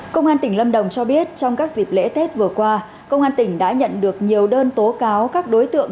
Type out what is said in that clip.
công an tỉnh lâm đồng cho biết trong các dịp lễ tết vừa qua công an tỉnh đã nhận được nhiều đơn tố cáo các đối tượng